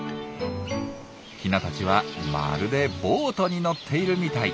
ヒナたちはまるでボートに乗っているみたい。